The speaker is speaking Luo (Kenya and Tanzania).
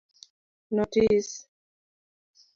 Notis;